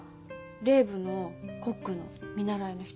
ＲＥＶＥのコックの見習いの人。